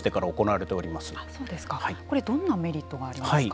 これどんなメリットがありますか。